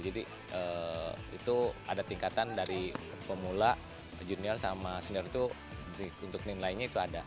jadi itu ada tingkatan dari pemula junior sama senior itu untuk nilainya itu ada